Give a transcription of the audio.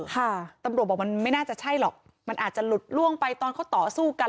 ค่ะตำรวจบอกมันไม่น่าจะใช่หรอกมันอาจจะหลุดล่วงไปตอนเขาต่อสู้กัน